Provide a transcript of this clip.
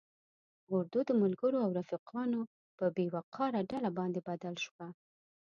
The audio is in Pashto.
اردو د ملګرو او رفیقانو په بې وقاره ډله باندې بدل شوه.